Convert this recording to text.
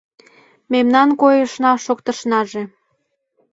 Мемнан койышна-шоктышнаже